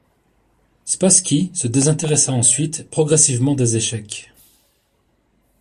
Spassky se désintéressa ensuite progressivement des échecs.